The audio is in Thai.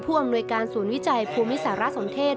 อำนวยการศูนย์วิจัยภูมิสารสมเทศ